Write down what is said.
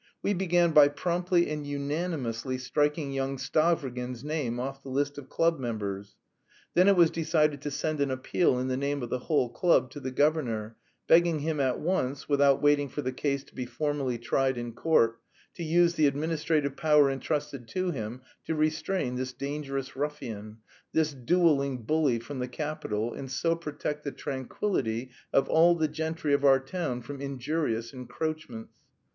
We began by promptly and unanimously striking young Stavrogin's name off the list of club members. Then it was decided to send an appeal in the name of the whole club to the governor, begging him at once (without waiting for the case to be formally tried in court) to use "the administrative power entrusted to him" to restrain this dangerous ruffian, "this duelling bully from the capital, and so protect the tranquillity of all the gentry of our town from injurious encroachments."